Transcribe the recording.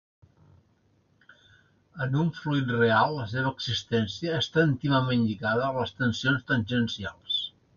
En un fluid real la seva existència està íntimament lligada a les tensions tangencials.